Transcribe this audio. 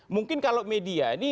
mungkin kalau media ini